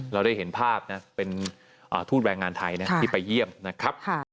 เราได้เห็นภาพนะเป็นทูตแรงงานไทยที่ไปเยี่ยมนะครับ